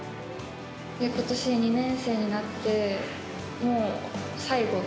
ことし、２年生になって、もう、最後。